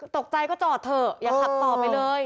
ตกใจก็จอดเถอะอย่าขับต่อไปเลย